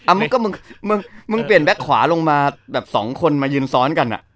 มึงเปลี่ยนแบล็กขวาลงมา๒คนมายืนซ้อนกันอ่ะ